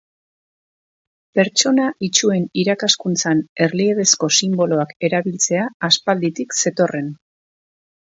Pertsona itsuen irakaskuntzan erliebezko sinboloak erabiltzea aspalditik zetorren.